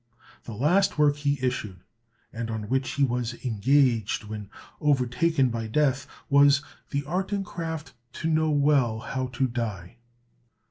The last work he issued, and on which he was engaged when overtaken by death, was "The Art and Craft to know well how to Die."